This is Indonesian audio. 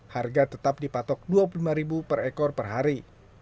harga tetap dipatok rp dua puluh lima per ekor per hari